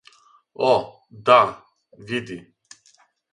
О, да, види.